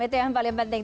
itu yang paling penting